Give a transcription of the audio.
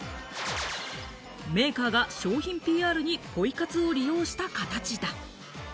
メーカーが商品ＰＲにポイ活を利用した形だ。